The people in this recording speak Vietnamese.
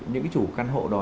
những chủ căn hộ đó